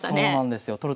そうなんですよ。